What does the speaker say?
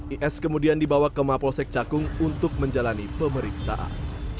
is kemudian dibawa ke mapolsek cakung untuk menjalani pemeriksaan